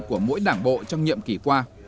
của mỗi đảng bộ trong nhiệm kỷ qua